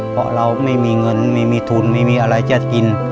เพราะเราไม่มีเงินไม่มีทุนไม่มีอะไรจะกิน